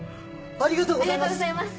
ありがとうございます！